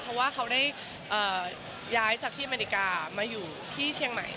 เพราะว่าเขาได้ย้ายจากที่อเมริกามาอยู่ที่เชียงใหม่